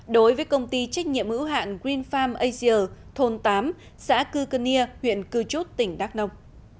đối với công ty trách nhiệm hữu hạn green farm asia thôn tám xã cư cân nea huyện cư chút tỉnh đắk nông